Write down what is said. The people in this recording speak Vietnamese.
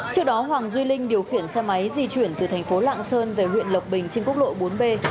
trước đó hoàng duy linh điều khiển xe máy di chuyển từ thành phố lạng sơn về huyện lộc bình trên quốc lộ bốn b